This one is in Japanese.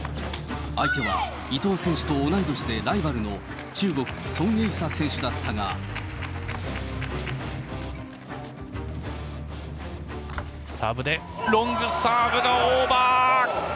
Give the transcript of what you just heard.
相手は伊藤選手と同い年でライバルの中国、サーブで、ロングサーブがオーバー。